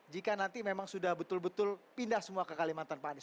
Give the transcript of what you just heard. jika nanti memang sudah betul betul pindah semua ke kalimantan pak anies